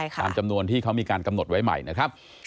ตามจำนวนที่เขามีการกำหนดไว้ใหม่นะครับ